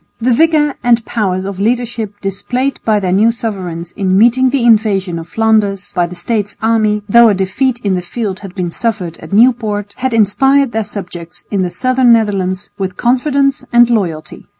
The vigour and powers of leadership displayed by their new sovereigns in meeting the invasion of Flanders by the States' army, though a defeat in the field had been suffered at Nieuport, had inspired their subjects in the southern Netherlands with confidence and loyalty.